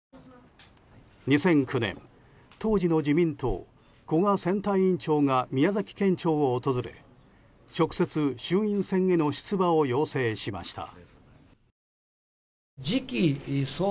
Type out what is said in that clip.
２００９年、当時の自民党古賀選対委員長が宮崎県庁を訪れ直接、衆院選への出馬を要請しました。